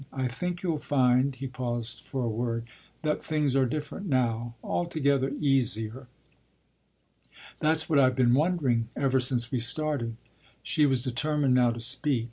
“I think you’ll find ” he paused for a word “that things are different now altogether easier.” “That’s what I’ve been wondering ever since we started.” She was determined now to speak.